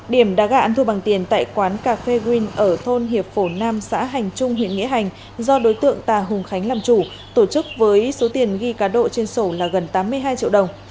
điểm đá gà ăn thua bằng tiền tại quán cà phê green ở thôn hiệp phổ nam xã hành trung huyện nghĩa hành do đối tượng tà hùng khánh làm chủ tổ chức với số tiền ghi cá độ trên sổ là gần tám mươi hai triệu đồng